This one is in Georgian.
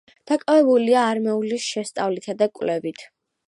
დაკავებულია არამეულის შესწავლითა და კვლევით.